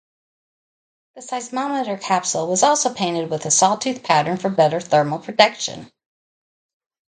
The seismometer capsule was also painted with a sawtooth pattern for better thermal protection.